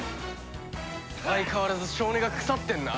相変わらず性根が腐ってんな。